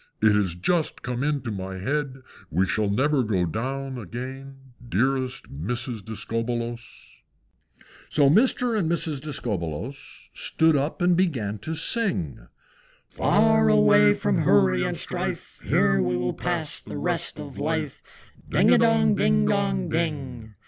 It has just come into my head We shall never go down again, Dearest Mrs. Discobbolos!" IV. So Mr. and Mrs. Discobbolos Stood up and began to sing, "Far away from hurry and strife Here we will pass the rest of life, Ding a dong, ding dong, ding!